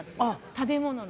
食べ物の。